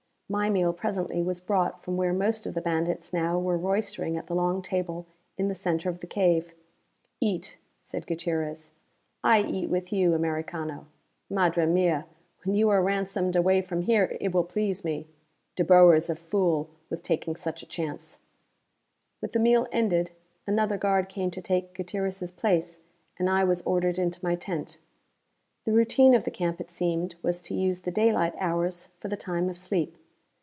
My meal presently was brought from where most of the bandits now were roistering at the long table in the center of the cave. "Eat," said Gutierrez. "I eat with you, Americano. Madre Mia, when you are ransomed away from here it will please me! De Boer is fool, with taking such a chance." With the meal ended, another guard came to take Gutierrez' place and I was ordered into my tent. The routine of the camp, it seemed, was to use the daylight hours for the time of sleep.